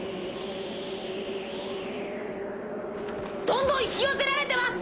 どんどん引き寄せられてます！